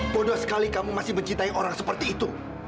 bodoh sekali kamu masih mencintai orang seperti itu